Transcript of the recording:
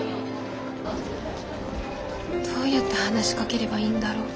どうやって話しかければいいんだろう。